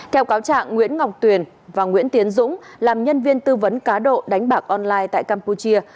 theo cáo trạng nguyễn ngọc tuyền và nguyễn tiến dũng làm nhân viên tư vấn cá độ đánh bạc online tại campuchia